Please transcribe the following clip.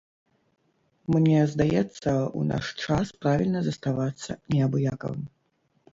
Мне здаецца, у наш час правільна заставацца неабыякавым.